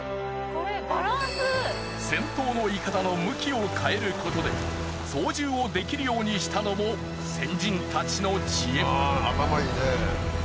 先頭の筏の向きを変えることで操縦をできるようにしたのも先人たちの知恵。